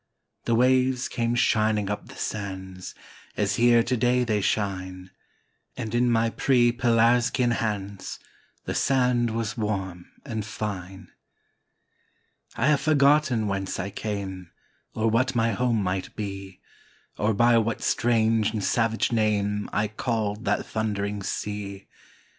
The waves came shining up the sands, As here to day they shine; And in my pre pelasgian hands The sand was warm and fine. I have forgotten whence I came, Or what my home might be, Or by what strange and savage name I called that thundering sea.